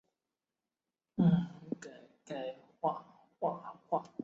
系统全套设备由瑞士引进。